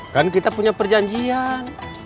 kan kita punya perjanjian